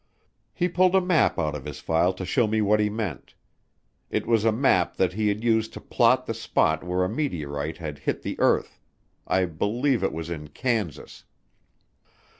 He pulled a map out of his file to show me what he meant. It was a map that he had used to plot the spot where a meteorite had hit the earth. I believe it was in Kansas.